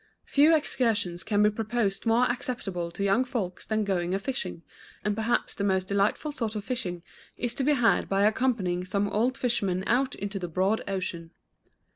Few excursions can be proposed more acceptable to young folks than going a fishing, and perhaps the most delightful sort of fishing is to be had by accompanying some old fisherman out into the broad ocean.